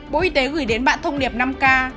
bộ y tế gửi đến bạn thông điệp năm k